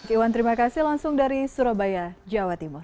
iwan terima kasih langsung dari surabaya jawa timur